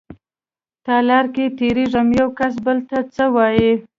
تالار کې تېرېږم يوکس بل ته څه وايي.